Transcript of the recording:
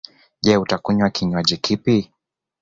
Je, utakunya kinwaji kipi?